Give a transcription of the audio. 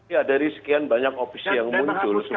ya dari sekian banyak opsi yang muncul sebenarnya memang